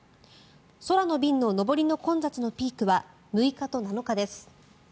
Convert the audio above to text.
空の便の上りの混雑のピークは６日と７日です。